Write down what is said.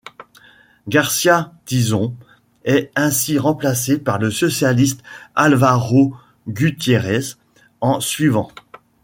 García-Tizón est ainsi remplacé par le socialiste Álvaro Gutiérrez en suivant.